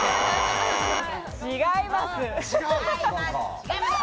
違います。